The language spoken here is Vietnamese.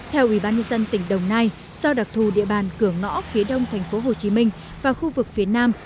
theo ủy ban nhân dân tỉnh đồng nai do đặc thù địa bàn cửa ngõ phía đông thành phố hồ chí minh và khu vực phía nam